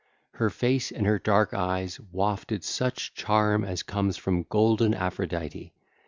Her face and her dark eyes wafted such charm as comes from golden Aphrodite.